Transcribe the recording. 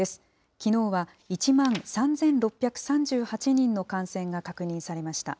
きのうは１万３６３８人の感染が確認されました。